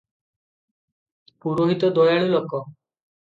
ପୁରୋହିତ ଦୟାଳୁ ଲୋକ ।